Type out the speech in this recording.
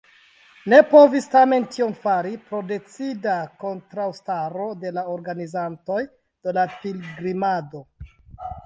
Ne povis tamen tion fari pro decida kontraŭstaro de la organizantoj de la pilgrimado.